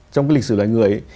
trong cái lịch sử loài người